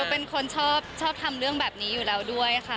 เป็นคนชอบทำเรื่องแบบนี้อยู่แล้วด้วยค่ะ